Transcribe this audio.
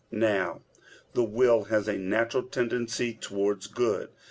Now the will has a natural tendency towards good.